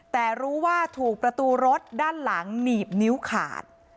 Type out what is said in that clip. แต่รู้ว่าถูกประตูรถด้านหลังหนีบนิ้วขาด